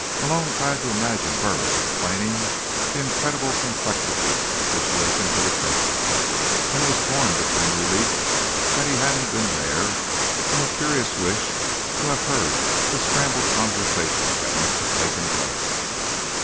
Malone tried to imagine Burris explaining the incredible complexities of the situation to the president, and was torn between relief that he hadn't been there and a curious wish to have heard the scrambled conversation that must have taken place.